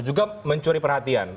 juga mencuri perhatian